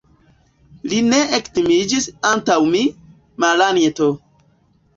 Li ne ektimiĝis antaŭ mi, Malanjeto.